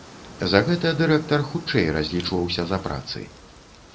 За гэта дырэктар хутчэй разлічваўся за працы.